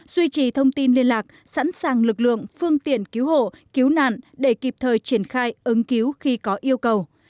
duy trì thông tin liên lạc sẵn sàng lực lượng phương tiện cứu hộ cứu nạn để kịp thời triển khai ứng cứu khi có yêu cầu